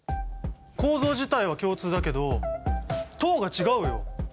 構造自体は共通だけど「糖」が違うよ！